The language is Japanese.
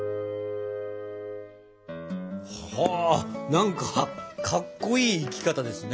何かかっこいい生き方ですね。